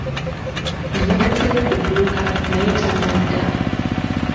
Yamutumye ku dduuka naye tannadda.